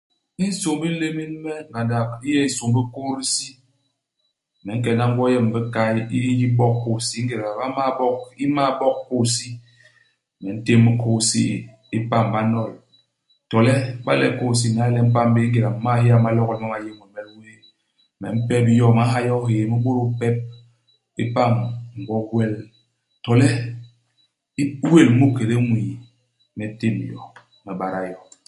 Insômbi u nlémél me ngandak, u yé nsômbi u kôy-disi. Me nkena ngwo yem i bikay, i i n'yi bok kôy-hisi. Ingéda ba m'mal bok i m'mal bok kôy-hisi, me ntém i kôy-hisi i, i pam, ba nol. To le iba le kôy-hisi i n'nay le i mpam bé, ingéda u m'mal héya i malogol ma ma yé ñwemel wéé, me mpeb yo, me nha yo hyéé, me bôdôl pep. I pam, ngwo i gwel. To le i wél mu ikédé ñwii. Me tém yo, me bada yo.